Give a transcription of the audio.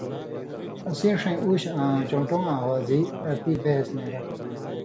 ”اسِیں ݜَیں اوشہۡ آں ڇؤن٘ٹو واں اوازی، اتی بحث نېرہ“